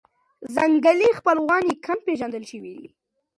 ځنګلي خپلوان یې کم پېژندل شوي دي.